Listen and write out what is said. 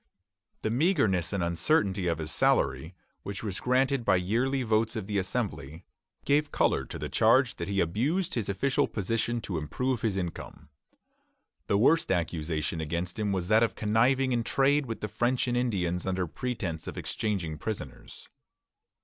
The meagreness and uncertainty of his salary, which was granted by yearly votes of the Assembly, gave color to the charge that he abused his official position to improve his income. The worst accusation against him was that of conniving in trade with the French and Indians under pretence of exchanging prisoners.